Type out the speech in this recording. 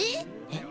えっ。